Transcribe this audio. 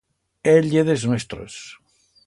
Él ye d'es nuestros.